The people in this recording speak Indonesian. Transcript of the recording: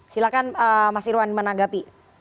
silahkan mas irwan menanggapi